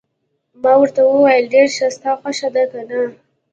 ما ورته وویل: ډېر ښه، ستا خوښه ده، که نه؟